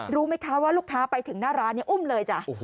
รู้ไหมคะว่าลูกค้าไปถึงหน้าร้านอุ้มเลยจ้ะ